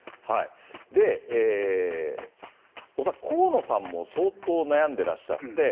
で、恐らく河野さんも相当悩んでらっしゃって。